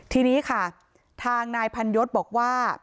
ทีนี้ค่ะทางนายพันยศบอกว่า